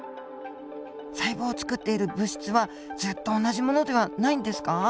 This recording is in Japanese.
細胞をつくっている物質はずっと同じ物ではないんですか？